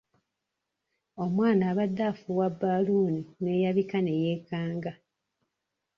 Omwana abadde afuuwa bbaaluuni n'eyabika ne yeekanga.